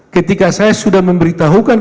ketika saya sudah memberitahukan